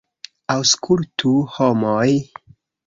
Aŭskultu, homoj!